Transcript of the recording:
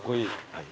はい。